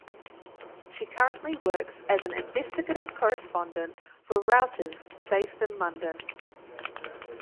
She currently works as an investigative correspondent for Reuters based in London.